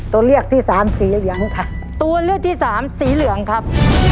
ตัวเลือกที่สามสีเหลืองค่ะตัวเลือกที่สามสีเหลืองครับ